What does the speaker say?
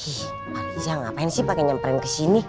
hih pak riza ngapain sih pakai nyamperin kesini